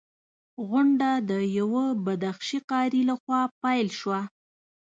غونډه د یوه بدخشي قاري لخوا پیل شوه.